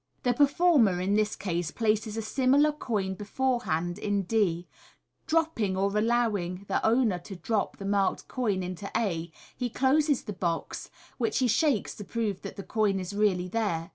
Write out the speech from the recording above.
The performer in this case places a similar coin beforehand in d. Dropping, or allowing the owner to drop, the marked coin into a, he closes the box, which he shakes to prove that the coin is really there.